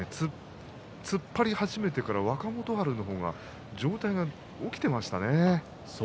突っ張り始めてから若元春の方が上体が起きていましたね。